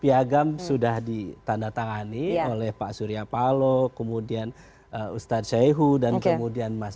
piagam sudah ditandatangani oleh pak surya palo kemudian ustadz syehu dan kemudian mas